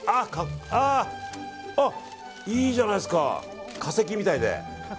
いいじゃないですか化石みたいで。